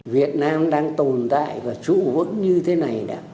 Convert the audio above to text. việt nam đang tồn tại và trụ vững như thế này đã